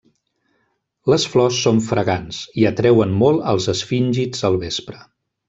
Les flors són fragants i atreuen molt als esfíngids al vespre.